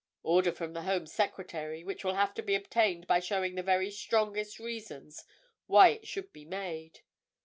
"Order from the Home Secretary, which will have to be obtained by showing the very strongest reasons why it should be made."